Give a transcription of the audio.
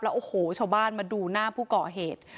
โอ้โหชาวบ้านมาดูหน้าผู้ก่อเหตุ